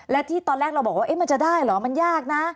และที่ตอนแรกเราบอกว่ามันจะได้เหรอมันยากนะ